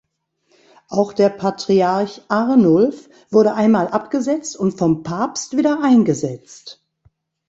Auch der Patriarch Arnulf wurde einmal abgesetzt und vom Papst wieder eingesetzt.